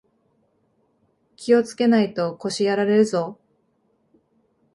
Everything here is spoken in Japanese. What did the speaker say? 気をつけないと腰やられるぞ